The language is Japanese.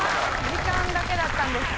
時間だけだったんです。